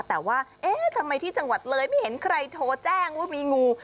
แต่ว่าเอ๊ะทำไมที่จังหวัดเลยไม่เห็นใครโทรแจ้งว่ามีงู